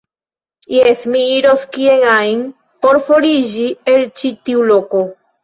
Jes, mi iros kien ajn, por foriĝi el ĉi tiu loko.